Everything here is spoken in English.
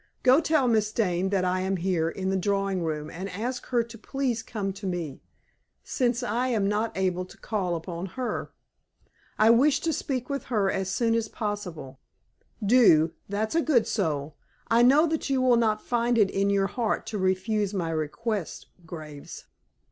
Go tell Miss Dane that I am here, in the drawing room, and ask her to please come to me, since I am not able to call upon her. I wish to speak with her as soon as possible. Do, that's a good soul. I know that you will not find it in your heart to refuse my request, Graves.